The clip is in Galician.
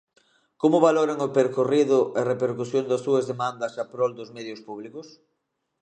Como valoran o percorrido e repercusión das súas demandas a prol dos medios públicos?